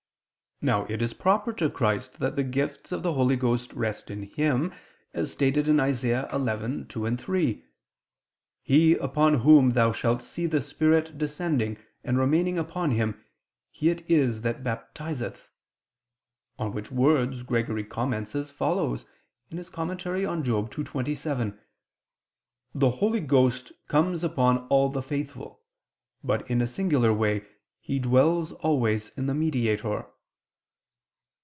Now it is proper to Christ that the gifts of the Holy Ghost rest in Him, as stated in Isa. 11:2, 3: "He upon Whom thou shalt see the Spirit descending and remaining upon Him, He it is that baptizeth"; on which words Gregory comments as follows (Moral. ii, 27): "The Holy Ghost comes upon all the faithful; but, in a singular way, He dwells always in the Mediator."